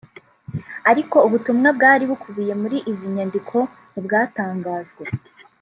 ariko ubutumwa bwari bukubiye muri izi nyandiko ntibwatangajwe